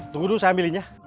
tunggu dulu saya ambilin ya